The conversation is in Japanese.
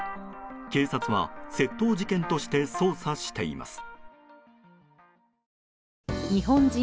警察は窃盗事件として捜査しています。